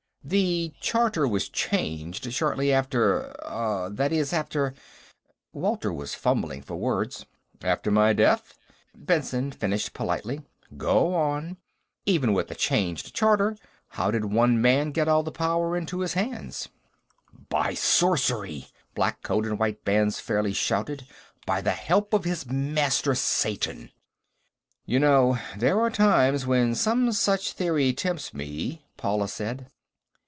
"The charter was changed shortly after ... er, that is, after...." Walter was fumbling for words. "After my death." Benson finished politely. "Go on. Even with a changed charter, how did one man get all the powers into his hands?" "By sorcery!" black coat and white bands fairly shouted. "By the help of his master, Satan!" "You know, there are times when some such theory tempts me," Paula said.